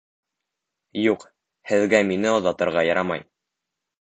Юҡ, һеҙгә мине оҙатырға ярамай.